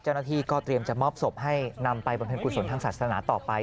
เจ้าหน้าที่ก็เตรียมจะมอบศพให้นำไปบำเพ็ญกุศลทางศาสนาต่อไป